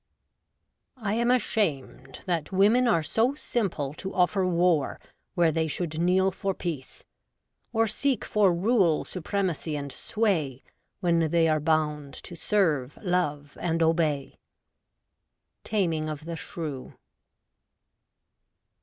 I am ashamed, that women are so simple To offer war, where they should kneel for peace ; Or seek for rule, supremacy, and sway. When they are bound to serve, love, and obey.' Taming of the Shrew.